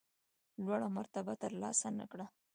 لوړه مرتبه ترلاسه نه کړه.